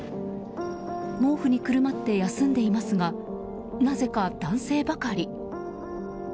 毛布にくるまって休んでいますがなぜか男性ばかり。